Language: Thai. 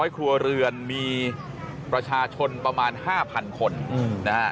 ครัวเรือนมีประชาชนประมาณ๕๐๐คนนะฮะ